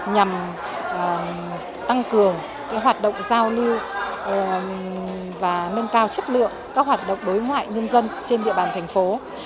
nhằm tăng cường hoạt động giao lưu và nâng cao chất lượng các hoạt động đối ngoại nhân dân trên địa bàn thành phố